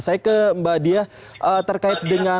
saya ke mbak tia